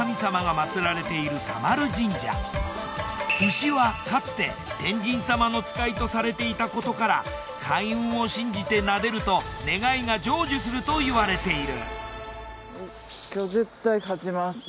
牛はかつて天神様の使いとされていたことから開運を信じてなでると願いが成就すると言われている。